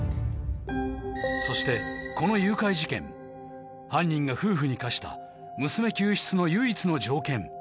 そしてこの誘拐事件犯人が夫婦に課した娘救出の唯一の条件